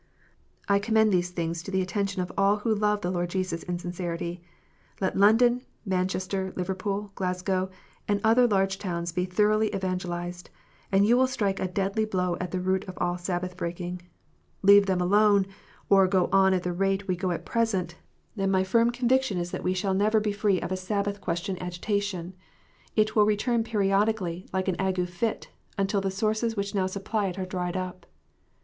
I commend these things to the attention of all who love the Lord Jesus Christ in sincerity. Let London, Manchester, Liverpool, Glasgow, and other large towns be thoroughly evangelized, and you will strike a deadly blow at the root of all Sabbath breaking. Leave them alone, or go on at the rate we go at present, and my firm conviction is that we shall never THE SABBATH. 323 be free from a Sabbath question agitation. It will return periodically, like an ague fit, until the sources which now supply it are dried up.